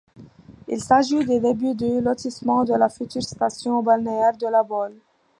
Il s'agit du début du lotissement de la future station balnéaire de La Baule.